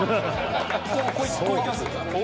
「こういきます？」